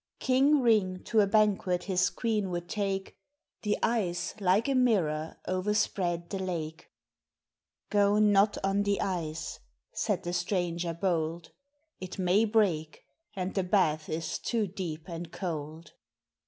King Ring to a banquet his queen would take, The ice like a mirror o'erspread the lake. "Go not on the ice," said the stranger bold, "It may break, and the bath is too deep and cold."